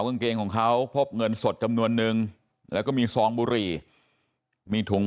กางเกงของเขาพบเงินสดจำนวนนึงแล้วก็มีซองบุหรี่มีถุง